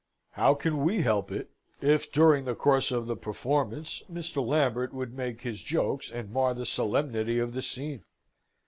How can we help it, if during the course of the performance, Mr. Lambert would make his jokes and mar the solemnity of the scene?